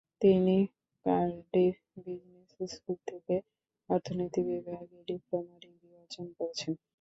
তিনি Cardiff business school থেকে অর্থনীতি বিভাগে ডিপ্লোমা ডিগ্রি অর্জন করেছেন।